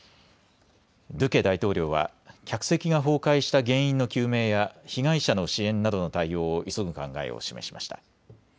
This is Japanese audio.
ドゥケ大統領は客席が崩壊した原因の究明や被害者の支援などの対応を急ぐ考えを示しました。